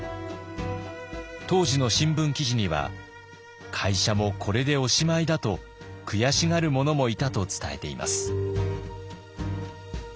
当時の新聞記事には会社もこれでおしまいだと悔しがる者もいたと伝えています。